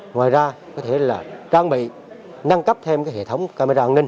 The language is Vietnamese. ngoài ra có thể là trang bị nâng cấp thêm hệ thống camera an ninh